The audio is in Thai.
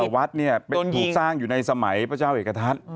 วัดถูกสร้างอยู่ในสมัยพระเจ้าเอกทัศน์